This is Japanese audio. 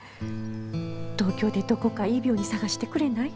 東京でどこかいい病院探してくれない？